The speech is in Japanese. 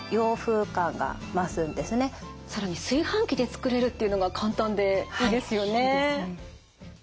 更に炊飯器で作れるっていうのが簡単でいいですよね。